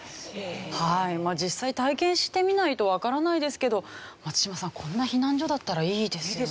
実際体験してみないとわからないですけど松嶋さんこんな避難所だったらいいですよね。